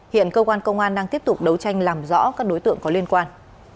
hiện công an đang tiếp tục đấu tranh làm rõ các đối tượng có liên quan